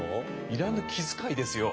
いらぬ気遣いですよ。